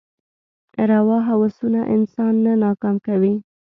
روا هوسونه انسان نه ناکام کوي.